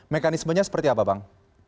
mekanismenya seperti apa bang